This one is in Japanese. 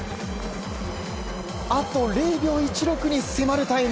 あと０秒１６に迫るタイム。